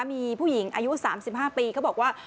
มีผู้หญิงอายุ๓๕ปีเขาบอกว่า